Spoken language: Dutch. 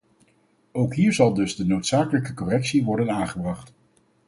Ook hier zal dus de noodzakelijke correctie worden aangebracht.